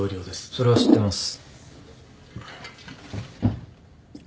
それは知ってます。